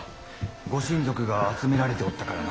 ・ご親族が集められておったからな。